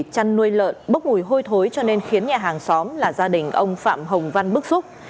chăn nuôi lợn bốc mùi hôi thối cho nên khiến nhà hàng xóm là gia đình ông phạm hồng văn bức xúc